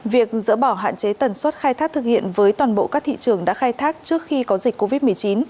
việc dỡ bỏ hạn chế tần suất khai thác thực hiện với toàn bộ các thị trường đã khai thác trước khi có dịch covid một mươi chín